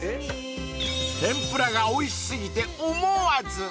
［天ぷらがおいしすぎて思わず］